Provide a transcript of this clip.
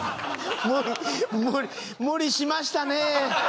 無理しましたね。